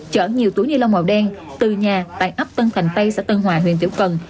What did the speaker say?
chở nhiều túi nilong màu đen từ nhà tại ấp tân thành tây xã tân hòa huyện tiểu cần